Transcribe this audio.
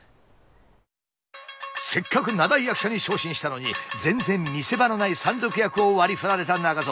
せっかく名題役者に昇進したのに全然見せ場のない山賊役を割りふられた中蔵。